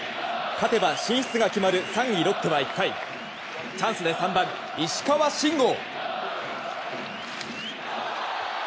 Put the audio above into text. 勝てば進出が決まる３位、ロッテは１回チャンスで３番、石川慎吾。